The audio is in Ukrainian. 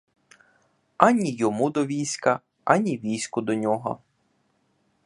Ані йому до війська, ані війську до нього.